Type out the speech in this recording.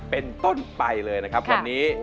เป็นต้นไปเลยนะครับวันนี้